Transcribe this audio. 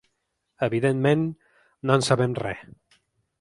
Evidentment, no en sabem res.